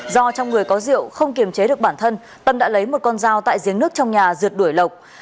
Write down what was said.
do trong người có rượu không kiềm chế được bản thân tâm đã lấy một con dao tại giếng nước trong nhà rượt đuổi lộc